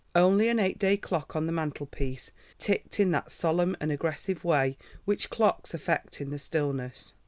Only an eight day clock on the mantelpiece ticked in that solemn and aggressive way which clocks affect in the stillness.